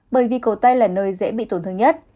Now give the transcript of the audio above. bởi vì cổ tay là nơi dễ bị tổn thương nhất